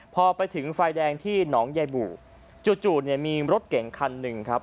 พอไปถึงไฟแดงที่หนองยายบู่จู่เนี่ยมีรถเก่งคันหนึ่งครับ